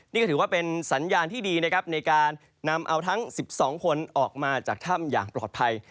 นี่ก็ถือว่าเป็นสัญญาณที่ดีนะครับในการนำเอาทั้ง๑๒คนออกมาจากถ้ำอย่างปลอดภัย